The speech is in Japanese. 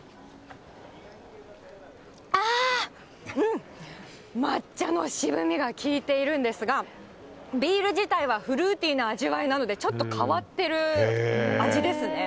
ああ、うん、抹茶の渋みが効いているんですが、ビール自体はフルーティーな味わいなので、ちょっと変わってる味ですね。